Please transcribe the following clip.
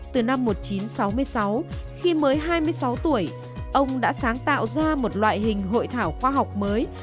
từ năm một nghìn chín trăm sáu mươi sáu khi mới hai mươi sáu tuổi ông đã sáng tạo ra một loại hình hội thảo khoa học mới